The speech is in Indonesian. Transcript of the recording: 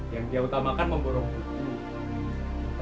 yang dia utamakan memburuk buku